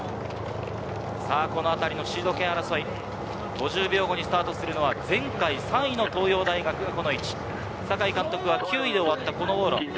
このあたりのシード権争い、５０秒後にスタートするのは前回３位の東洋大学、酒井監督は９位で終わったこの往路。